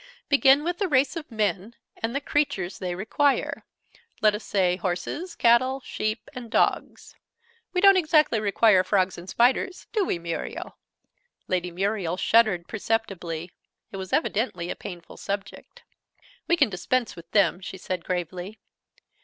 Begin with the race of men, and the creatures they require: let us say horses, cattle, sheep, and dogs we don't exactly require frogs and spiders, do we, Muriel?" Lady Muriel shuddered perceptibly: it was evidently a painful subject. "We can dispense with them," she said gravely.